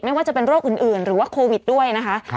ไม่ว่าจะเป็นโรคอื่นหรือว่าโควิดด้วยนะคะ